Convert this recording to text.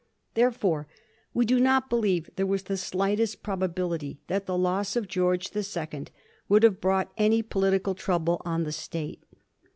Therefore, we do not believe there was the slightest prob ability that the loss of George the Second would have brought any political trouble on the State.